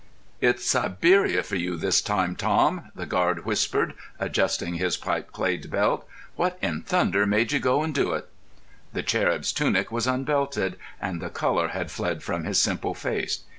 "It's Siberia for you this time, Tom," the guard whispered, adjusting his pipe clayed belt; "what in thunder made you go and do it?" The cherub's tunic was unbelted, and the colour had fled from his simple face.